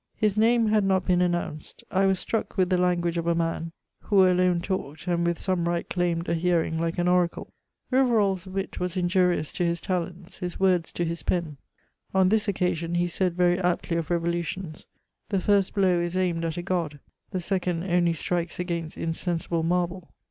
His name had not been announced ; I was struck with the language of a man, who 336 MEMOIBS OF alone talked, and with some right claimed a hearing like aa oracle. Rivarol's wit was injnrioos to his talents, his words to his pen. On this occasion ne said very aptly of reyolutions :*' The first blow is aimed at a god, the second only strikes against insensihle marhle."